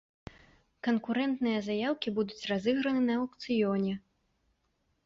Канкурэнтныя заяўкі будуць разыграны на аўкцыёне.